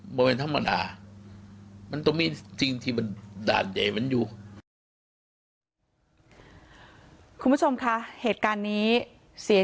แบบนี้เลยท่านคนหนุ่มทะเลาะกันตีกันเลยคางกันเรียงครับพี่รังปิดในนิด